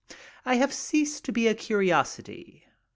I have ceased to be a curiosity.